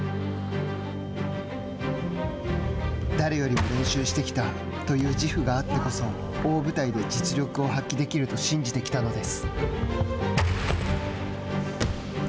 「誰よりも練習してきた」という自負があってこそ大舞台で実力を発揮できると信じてきたのです。